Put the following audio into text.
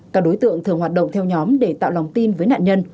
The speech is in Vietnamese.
các đối tượng thường hoạt động theo nhóm để tạo lòng tin với nạn nhân